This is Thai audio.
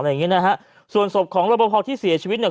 อย่างงี้นะฮะส่วนศพของรบพอที่เสียชีวิตเนี่ย